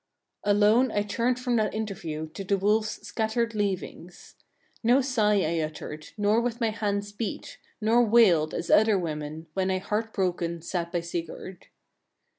11. Alone I turned from that interview to the wolves' scattered leavings. No sigh I uttered, nor with my hands beat, nor wailed, as other women, when I heartbroken sat by Sigurd.